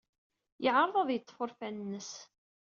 Yeɛreḍ ad yeḍḍef urfan-nnes.